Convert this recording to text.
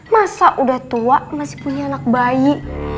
masa udah tua masih punya anak bayi